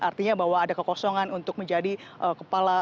artinya bahwa ada kekosongan untuk menjadi kepala